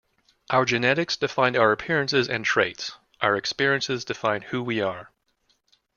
Our genetics define our appearances and traits. Our experiences define who we are.